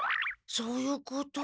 そういうこと。